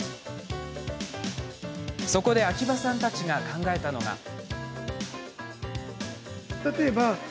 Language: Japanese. そこで秋葉さんたちが考えたのが。